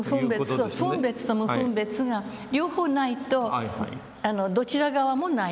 そう分別と無分別が両方ないとどちら側もないですよね。